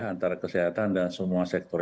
antara kesehatan dan semua sektor